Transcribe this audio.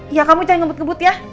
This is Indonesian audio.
ya kamu jangan ngebut ngebut ya